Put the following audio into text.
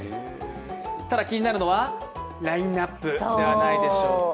ただ、気になるのはラインナップではないでしょうか。